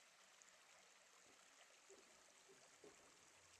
Los principales temas son el Japón, la memoria y el viaje.